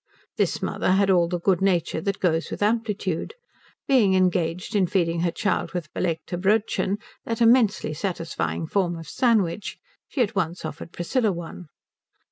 This mother had all the good nature that goes with amplitude. Being engaged in feeding her child with belegte Brödchen that immensely satisfying form of sandwich she at once offered Priscilla one.